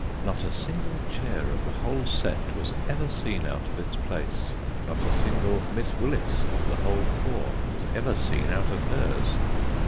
Not a single chair of the whole set was ever seen out of its place not a single Miss Willis of the whole four was ever seen out of hers.